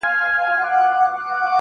له مودو وروسته يې کرم او خرابات وکړ~